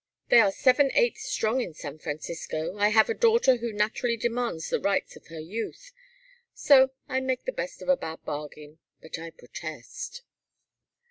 They are seven eighths strong in San Francisco, I have a daughter who naturally demands the rights of her youth so I make the best of a bad bargain. But I protest."